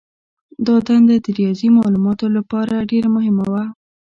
دا دنده د ریاضي مالوماتو لپاره ډېره مهمه وه.